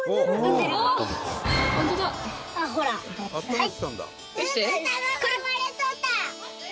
はい。